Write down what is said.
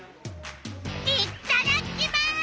いっただきます！